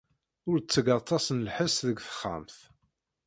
Ur tteg aṭas n lḥess deg texxamt.